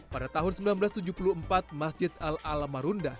pada tahun seribu sembilan ratus tujuh puluh empat masjid al alam marunda